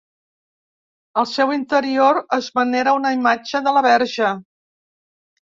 Al seu interior es venera una imatge de la Verge.